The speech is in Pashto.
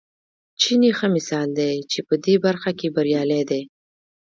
چین یې ښه مثال دی چې په دې برخه کې بریالی دی.